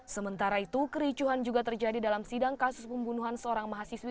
sementara itu kericuhan juga terjadi dalam sidang kasus pembunuhan seorang mahasiswi